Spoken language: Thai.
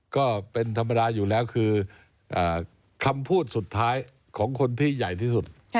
ก็เป็นธรรมดาอยู่แล้วคือคำพูดสุดท้ายของคนที่ใหญ่ที่สุด